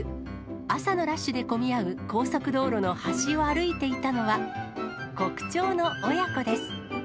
朝のラッシュで混み合う高速道路の端を歩いていたのは、コクチョウの親子です。